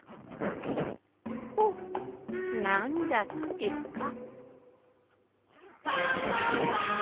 ほっなんだってか。